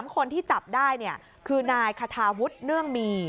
คนที่จับได้คือนายคาทาวุฒิเนื่องมี